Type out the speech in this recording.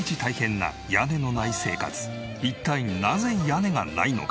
一体なぜ屋根がないのか？